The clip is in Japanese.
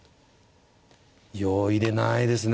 容易でないですね。